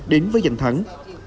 đến với dành thắng